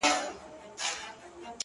• د هوسیو د سویانو د پسونو ,